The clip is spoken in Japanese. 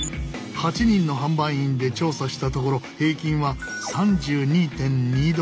８人の販売員で調査したところ平均は３２．２℃。